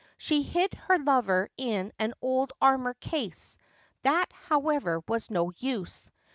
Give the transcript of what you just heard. She hid her lover in an old armour case. That, however, was no use.